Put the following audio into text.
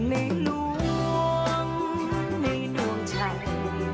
นี่คือในหลวงในหลวงใจ